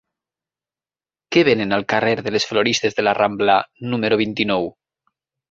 Què venen al carrer de les Floristes de la Rambla número vint-i-nou?